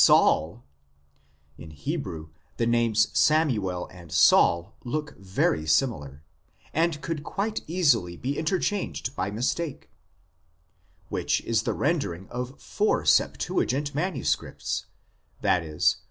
looked at) Saul " (in Hebrew the names Samuel and Saul look very similar, and could quite easily be interchanged by mistake), which is the rendering of four Septuagint manuscripts ; i.e.